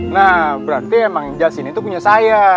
nah berarti emang yang jas ini tuh punya saya